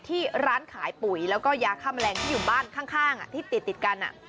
ที่ร้านขายปุ๋ยแล้วก็ยาฆ่าแมลงที่อยู่บ้านข้างที่ติดกัน